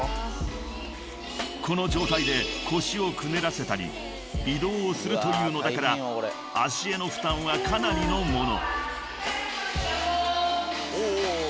［この状態で腰をくねらせたり移動をするというのだから足への負担はかなりのもの］